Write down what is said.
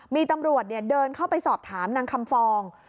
มีตำรวจเดินเข้าไปสอบถามนางคำฟอง